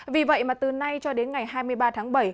vì vậy mà từ nay cho đến ngày hai mươi ba tháng bảy